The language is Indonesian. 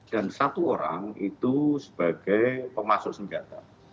dan satu orang itu sebagai pemasuk senjata